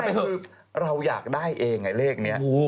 คือเราอยากได้เองไอ้เลขนี้